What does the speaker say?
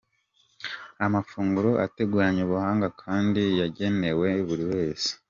Amafunguro ateguranye ubuhanga kandi yagenewe buri wese.